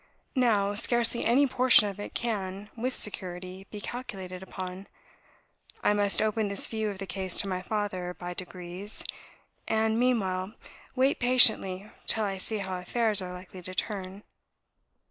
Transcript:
Now, scarcely any portion of it can, with security, be calculated upon. I must open this view of the case to my father by degrees; and, meanwhile, wait patiently till I see how affairs are likely to turn.